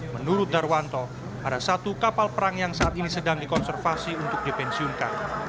menurut darwanto ada satu kapal perang yang saat ini sedang dikonservasi untuk dipensiunkan